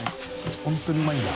本当にうまいんだ。